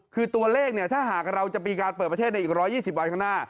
คือตัวเลขเนี่ยถ้าหากเราจะมีการเปิดประเทศในอีก๑๒๐วันข้างหน้า